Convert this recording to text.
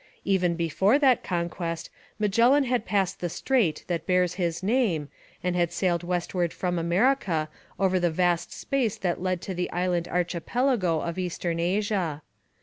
Even before that conquest Magellan had passed the strait that bears his name, and had sailed westward from America over the vast space that led to the island archipelago of Eastern Asia.